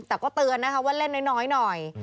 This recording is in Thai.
แต่ก็เตือนนะครับว่าเล่นน้อย